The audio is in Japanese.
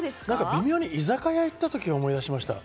微妙に居酒屋に行った時を思い出しました。